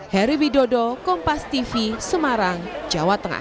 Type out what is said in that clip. heri widodo kompas tv semarang jawa tengah